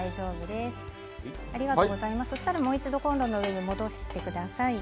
そしたらもう一度コンロの上に戻してください。